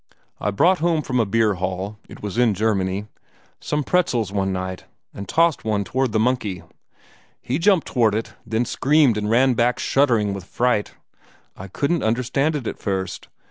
I brought home from a beer hall it was in Germany some pretzels one night, and tossed one toward the monkey. He jumped toward it, then screamed and ran back shuddering with fright. I couldn't understand it at first.